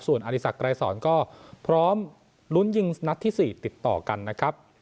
ส่วนอริสักไกรสอนก็พร้อมลุ้นยิงนัดที่๔ติดต่อกันนะครับ